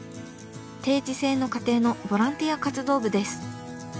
定時制の課程のボランティア活動部です。